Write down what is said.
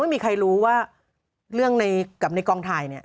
ไม่มีใครรู้ว่าเรื่องในกับในกองถ่ายเนี่ย